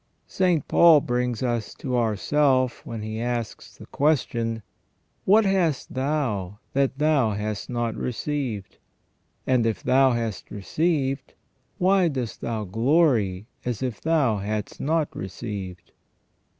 St. Paul brings us to ourself when he asks the question :" What hast thou that thou hast not received ? And if thou hast received, why dost thou glory as if thou hadst not received